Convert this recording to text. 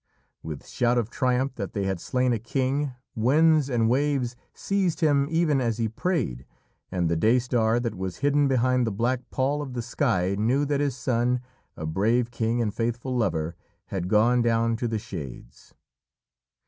With shout of triumph that they had slain a king, winds and waves seized him even as he prayed, and the Day Star that was hidden behind the black pall of the sky knew that his son, a brave king and a faithful lover, had gone down to the Shades.